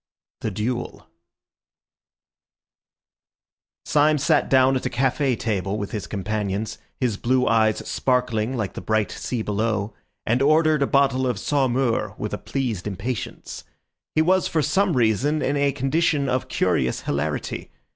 THE DUEL Syme sat down at a café table with his companions, his blue eyes sparkling like the bright sea below, and ordered a bottle of Saumur with a pleased impatience. He was for some reason in a condition of curious hilarity.